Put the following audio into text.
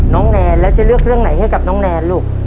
แนนแล้วจะเลือกเรื่องไหนให้กับน้องแนนลูก